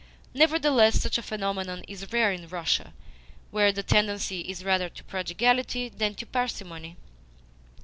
Nevertheless, such a phenomenon is rare in Russia, where the tendency is rather to prodigality than to parsimony.